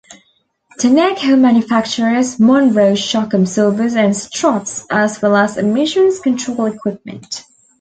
Tenneco manufacturers Monroe shock absorbers and struts, as well as emissions control equipment.